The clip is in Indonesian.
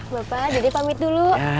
bapak dede pamit dulu